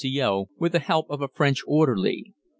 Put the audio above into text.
C.O., with the help of a French orderly.